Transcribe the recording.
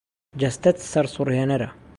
جەستەت سەرسوڕهێنەرە.